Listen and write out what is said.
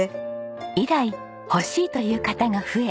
以来欲しいという方が増え